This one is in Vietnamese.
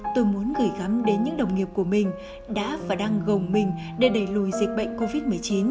tôi muốn gửi gắm đến những đồng nghiệp của mình đã và đang gồng mình để đẩy lùi dịch bệnh covid một mươi chín